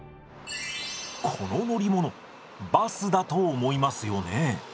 この乗り物バスだと思いますよね？